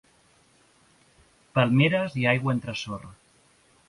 Palmeres i aigua entre sorra.